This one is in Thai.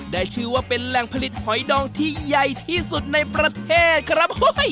ได้ชื่อว่าเป็นแหล่งผลิตหอยดองที่ใหญ่ที่สุดในประเทศครับ